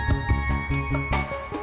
irlachak yang mana